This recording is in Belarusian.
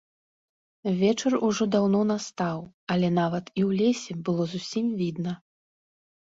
Вечар ужо даўно настаў, але нават і ў лесе было зусім відна.